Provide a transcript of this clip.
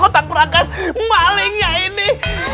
kau tak pernah angkat malingnya ini